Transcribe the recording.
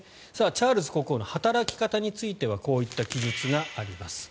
チャールズ国王の働き方についてはこういった記述があります。